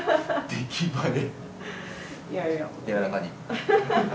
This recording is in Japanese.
出来栄え。